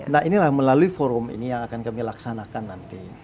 nah inilah melalui forum ini yang akan kami laksanakan nanti